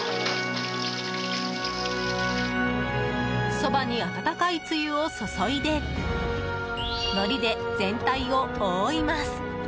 そばに温かいつゆを注いでのりで全体を覆います。